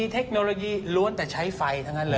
เทคโนโลยีล้วนแต่ใช้ไฟทั้งนั้นเลย